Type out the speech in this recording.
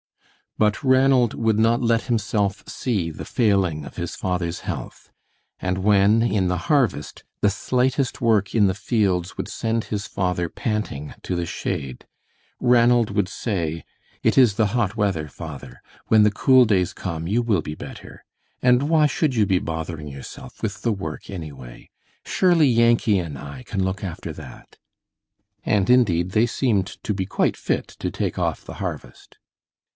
But Ranald would not let himself see the failing of his father's health, and when, in the harvest, the slightest work in the fields would send his father panting to the shade, Ranald would say, "It is the hot weather, father. When the cool days come you will be better. And why should you be bothering yourself with the work, anyway? Surely Yankee and I can look after that." And indeed they seemed to be quite fit to take off the harvest.